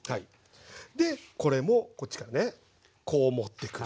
でこれもこっちからねこう持ってくる。